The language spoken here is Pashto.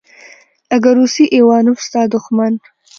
اگه روسی ايوانوف ستا دښمن.